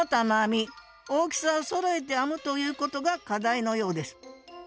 大きさをそろえて編むということが課題のようです